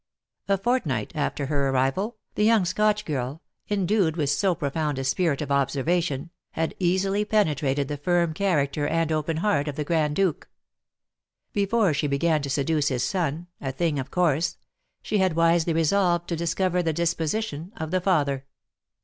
A fortnight after her arrival, the young Scotch girl, endued with so profound a spirit of observation, had easily penetrated the firm character and open heart of the Grand Duke. Before she began to seduce his son, a thing of course, she had wisely resolved to discover the disposition of the father.